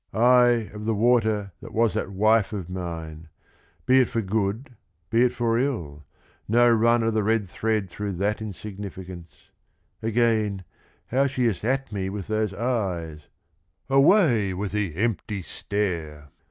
"Ay, of the water was that wife of mine — Be it for good, be it for ill, no run O' the red thread through that insignificance 1 Again, how she is at me with those eyes I Away with the empty stare